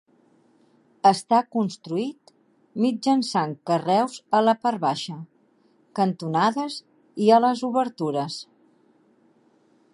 Està construït mitjançant carreus a la part baixa, cantonades i a les obertures.